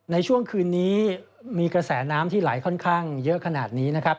ในช่วงคืนนี้มีกระแสน้ำที่ไหลค่อนข้างเยอะขนาดนี้นะครับ